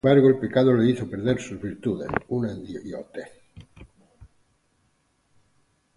Sin embargo, el pecado le hizo perder sus virtudes.